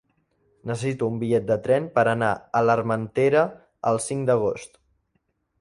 Necessito un bitllet de tren per anar a l'Armentera el cinc d'agost.